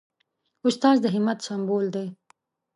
استاد د همت سمبول دی.